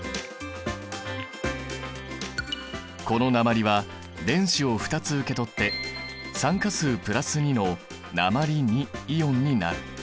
この鉛は電子を２つ受け取って酸化数＋２の鉛イオンになる。